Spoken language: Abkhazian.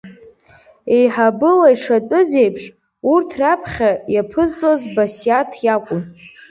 Еиҳабыла ишатәыз еиԥш, урҭ раԥхьа иаԥызҵоз Басиаҭ иакәын.